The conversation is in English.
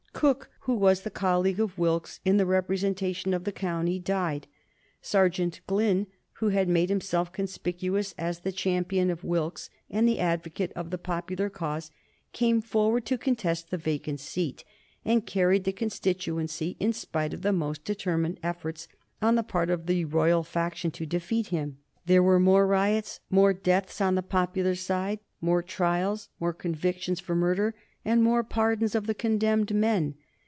Cooke, who was the colleague of Wilkes in the representation of the county, died. Serjeant Glynn, who had made himself conspicuous as the champion of Wilkes and the advocate of the popular cause, came forward to contest the vacant seat, and carried the constituency in spite of the most determined efforts on the part of the royal faction to defeat him. There were more riots, more deaths on the popular side, more trials, more convictions for murder and more pardons of the condemned men.